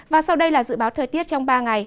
và sau đây là dự báo thời tiết trong ba ngày